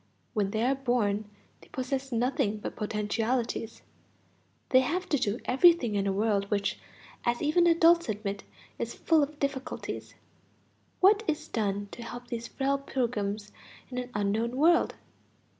When they are born they possess nothing but potentialities; they have to do everything in a world which, as even adults admit, is full of difficulties. What is done to help these frail pilgrims in an unknown world?